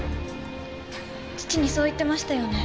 父にそう言ってましたよね？